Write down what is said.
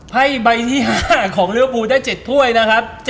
ให้ใบที่๕ของเนื้อปูได้๗ถ้วยนะครับ